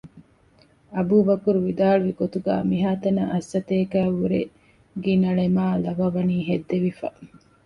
އަބޫބަކުރު ވިދާޅުވި ގޮތުގައި މިހާތަނަށް އަށްސަތޭކަ އަށް ވުރެ ގިނަ ޅެމާއި ލަވަ ވަނީ ހެއްދެވިފަ